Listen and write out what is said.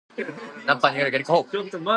ナッパ避けろー！ギャリック砲ー！